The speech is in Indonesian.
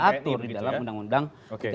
karena sudah ada undang undang tni begitu ya